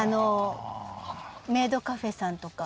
メイドカフェさんとか。